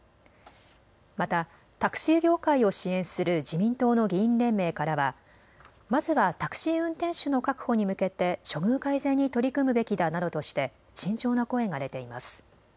またタクシー業界を支援する自民党の議員連盟からはまずはタクシー運転手の確保に向けて処遇改善に取り組むべきだなどとして慎重な声が出ています。